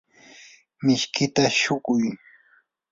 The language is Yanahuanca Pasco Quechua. mishkita shuquy.